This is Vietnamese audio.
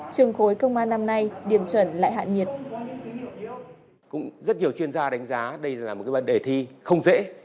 trường khối công an năm nay điểm chuẩn lại hạn nhiệt